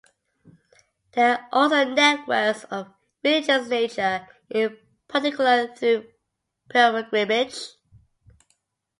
There are also networks of religious nature, in particular through pilgrimage.